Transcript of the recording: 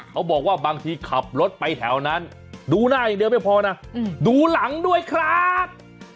เขาบอกว่าบางทีขับรถไปแถวนั้นดูหน้าอย่างเดียวไม่พอนะดูหลังด้วยครับ